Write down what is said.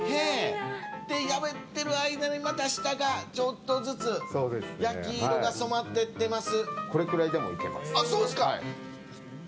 焼いている間にまた下が、ちょっとずつ焼き色に染まってってます。